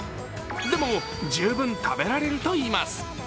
でも十分食べられるといいます。